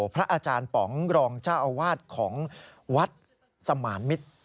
พระอาจารย์ป๋องรองเจ้าอาวาสของวัดสมานมิตร